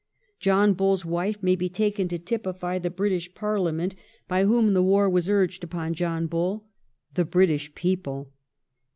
John Bull's wife may be taken to typify the British Parliament, by whom the war was urged upon John Bull, the British people.